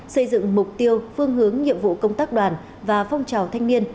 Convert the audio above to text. xây dựng mục tiêu phương hướng nhiệm vụ công tác đoàn và phong trào thanh niên